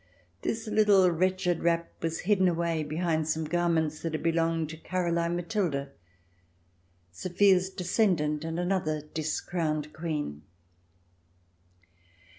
This little wretched wrap was hidden away behind some garments that had belonged to Caroline Matilda, Sophia's ancestress, and another discrowned Queen.